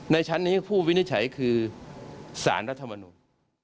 ในชั้นนี้ผู้วินิจฉัยคือสารรัฐมนุน